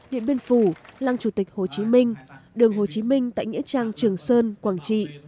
điện biên phủ lăng chủ tịch hồ chí minh đường hồ chí minh tại nghĩa trang trường sơn quảng trị